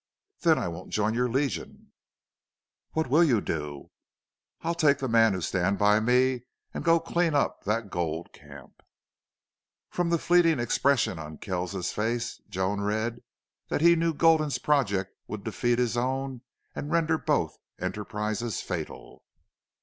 "Then I won't join your Legion." "What WILL you do?" "I'll take the men who stand by me and go clean up that gold camp." From the fleeting expression on Kells's face Joan read that he knew Gulden's project would defeat his own and render both enterprises fatal.